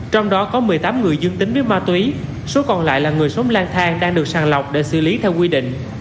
trong đó có một mươi tám người dương tính với ma túy số còn lại là người sống lang thang đang được sàng lọc để xử lý theo quy định